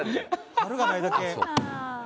春がないだけ。